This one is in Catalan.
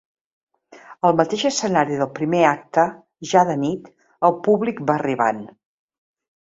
Al mateix escenari del primer acte, ja de nit, el públic va arribant.